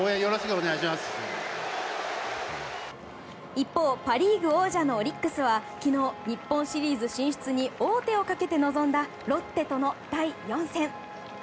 一方、パ・リーグ王者のオリックスは昨日日本シリーズ進出に王手をかけて臨んだロッテとの第４戦。